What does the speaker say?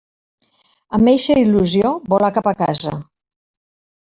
Amb eixa il·lusió volà cap a casa.